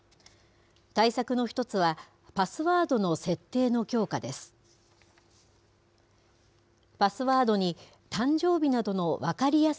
対策の一つは、パスワードの設定の強化です。